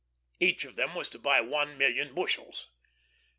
Each of them was to buy one million bushels.